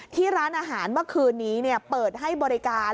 ที่ร้านอาหารเมื่อคืนนี้เปิดให้บริการ